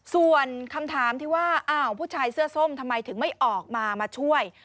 ส่วนคำถามที่ว่าอ้าวผู้ชายเสื้อส้มทำไมถึงไม่ออกมามาช่วย